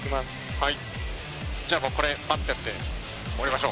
はい。